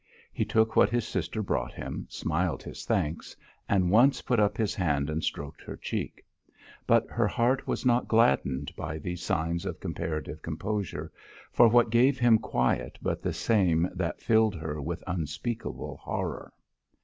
He took what his sister brought him, smiled his thanks, and once put up his hand and stroked her cheek. But her heart was not gladdened by these signs of comparative composure, for what gave him quiet but the same that filled her with unspeakable horror?